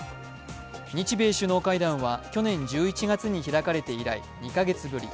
日米首脳会談は去年１１月に開かれて以来２か月ぶり。